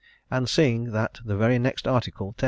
And seeing that the very next Article (X.)